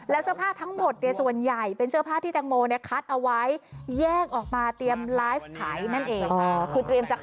แล้วเสื้อผ้าทั้งหมดเนี่ยส่วนใหญ่เป็นเสื้อผ้าที่แตงโมเนี่ยคัดเอาไว้แยกออกมาเตรียมไลฟ์ขายนั่นเอง